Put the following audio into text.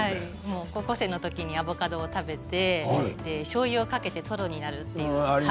高校生のときにアボカドを食べてしょうゆをかけて、とろになると。